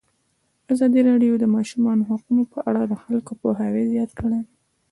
ازادي راډیو د د ماشومانو حقونه په اړه د خلکو پوهاوی زیات کړی.